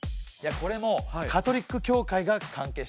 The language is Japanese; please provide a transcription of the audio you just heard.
これもカトリック教会が関係しております。